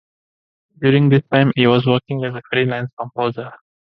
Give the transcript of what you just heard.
During this time, he was working as a freelance composer.